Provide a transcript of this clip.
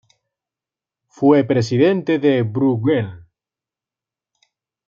Fue presidente de Bruegel.